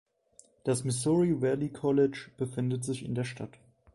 Das Missouri Valley College befindet sich in der Stadt.